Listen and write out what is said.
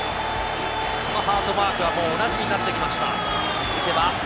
このハートマークはおなじみになってきました。